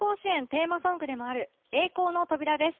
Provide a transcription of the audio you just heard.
テーマソングでもある「栄光の扉」です。